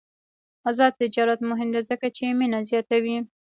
آزاد تجارت مهم دی ځکه چې مینه زیاتوي.